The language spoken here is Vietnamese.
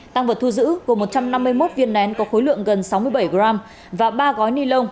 tăng vật thu giữ gồm một trăm năm mươi một viên nén có khối lượng gần sáu mươi bảy g và ba gói ni lông